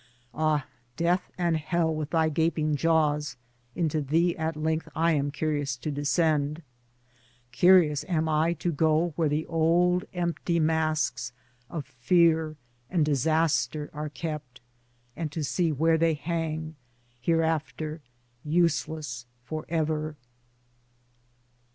Ah ! Death, and Hell with thy gaping jaws, into thee at length I am curious to descend; curious am I to go where the old empty masks of Fear and Disaster are kept, and to see where they hang — hereafter useless for ever.